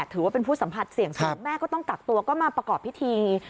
ถือว่าเป็นผู้สัมผัสเสี่ยงสูงแม่ก็ต้องกักตัวก็มาประกอบพิธี